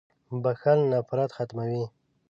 • بخښل نفرت ختموي.